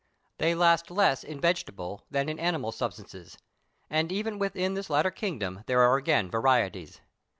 They last less in vegetable than in animal substances, and even within this latter kingdom there are again varieties.